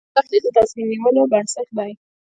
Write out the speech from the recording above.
د بازار تحلیل د تصمیم نیولو بنسټ دی.